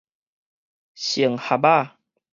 乘合仔